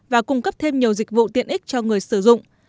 và cung cấp thêm nhiều dịch vụ tiện ích cho người sử dụng